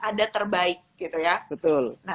ada terbaik gitu ya betul nah